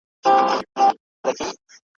لارښود د محصل د کار پرمختګ څاري.